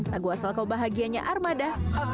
lagu asal kau bahagianya armada